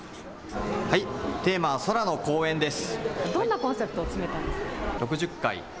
テーマは空の公園です。